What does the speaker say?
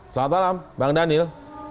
selamat malam bang dhanil